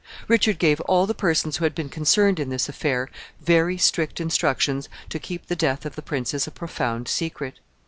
Richard gave all the persons who had been concerned in this affair very strict instructions to keep the death of the princes a profound secret.